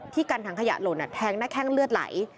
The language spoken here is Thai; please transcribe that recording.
กันถังขยะหล่นแทงหน้าแข้งเลือดไหล